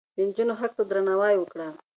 د نجونو حق ته درناوی وکړه.